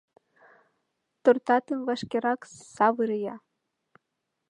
— Тортатым вашкерак савыре-я!